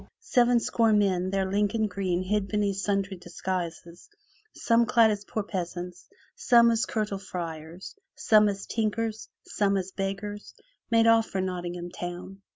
sevenscoremen, their Lincoln green hid beneath sundry disguises, some clad as poor peasants, some as curtal friars, some as tinkers, some as beggars, made off for Nottingham town.